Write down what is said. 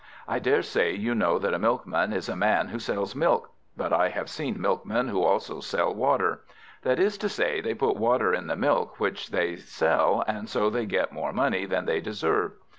I daresay you know that a Milkman is a man who sells milk; but I have seen milkmen who also sell water. That is to say, they put water in the milk which they sell, and so they get more money than they deserve.